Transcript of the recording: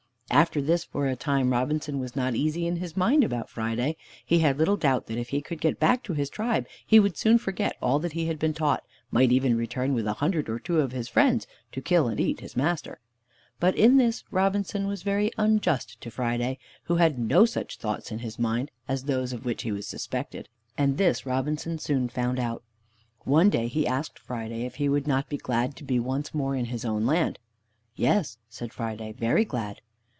After this, for a time Robinson was not easy in his mind about Friday. He had little doubt that if he could get back to his tribe, he would soon forget all he had been taught, might even return with a hundred or two of his friends, and kill and eat his master. But in this Robinson was very unjust to Friday, who had no such thoughts in his mind as those of which he was suspected. And this Robinson soon found out. One day he asked Friday if he would not be glad to be once more in his own land. "Yes" said Friday; "very glad."